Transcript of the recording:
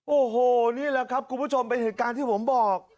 โอ้โหนี่แหละครับคุณผู้ชมเป็นเหตุการณ์ที่ผมบอก